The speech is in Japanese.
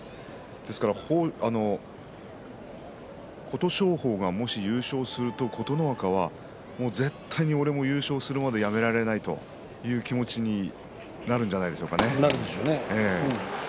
ですから琴勝峰がもし優勝すると琴ノ若は絶対に俺は優勝するまでやめられないという気持ちになるでしょうね。